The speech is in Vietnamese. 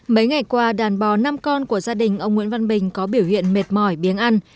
mấy ngày qua đàn bò năm con của gia đình ông nguyễn văn bình có biểu hiện mệt mỏi biếng ăn